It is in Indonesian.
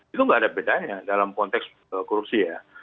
itu nggak ada bedanya dalam konteks korupsi ya